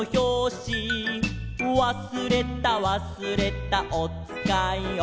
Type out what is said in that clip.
「わすれたわすれたおつかいを」